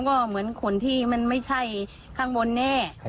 ก็เหมือนขนที่มันไม่ใช่ข้างบนแน่